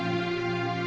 saya sudah selesai